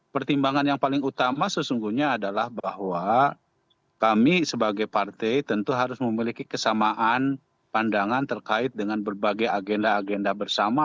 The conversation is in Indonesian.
pertimbangan yang paling utama sesungguhnya adalah bahwa kami sebagai partai tentu harus memiliki kesamaan pandangan terkait dengan berbagai agenda agenda bersama